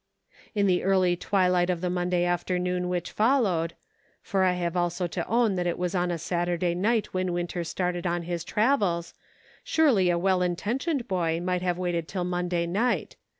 In the early twilight of the Monday afternoon which followed, for I have also to own that it was on a Saturday night when Winter started on his travels ; surely a well intentioned boy might have waited until Monday night.